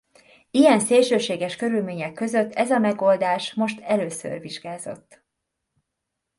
Ilyen szélsőséges körülmények között ez a megoldás most először vizsgázott.